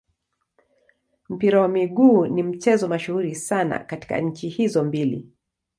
Mpira wa miguu ni mchezo mashuhuri sana katika nchi hizo mbili.